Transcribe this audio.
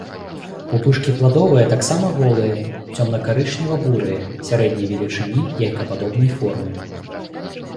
Пупышкі пладовыя таксама голыя, цёмнакарычнева-бурыя, сярэдняй велічыні, яйкападобнай формы.